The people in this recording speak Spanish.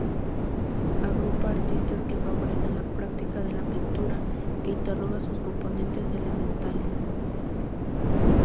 Agrupa artistas que favorecen la práctica de la pintura que interroga sus componentes elementales.